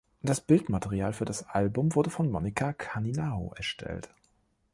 Das Bildmaterial für das Album wurde von Monica Canilao erstellt.